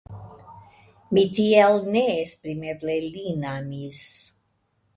Mi tiel neesprimeble lin amis!